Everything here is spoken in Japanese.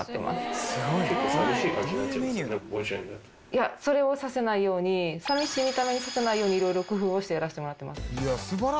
いやそれをさせないように寂しい見た目にさせないように色々工夫をしてやらせてもらってます。